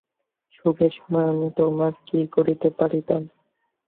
সুখের সময় আমি তোমার কি করিতে পারিতাম?